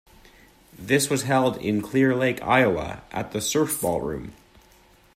This was held in Clear Lake, Iowa, at the Surf Ballroom.